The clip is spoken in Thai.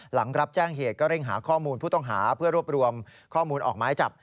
หลังรับแจ้งเหตุก็เร่งหาข้อมูลผู้ต้องหาเพื่อรวบรวมข้อมูลออกไม้จับ